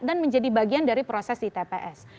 dan menjadi bagian dari proses di tps